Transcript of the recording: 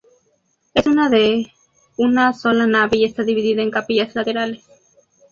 Es de una sola nave y está dividida en capillas laterales.